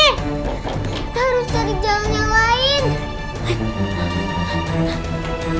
kita harus cari jalan yang lain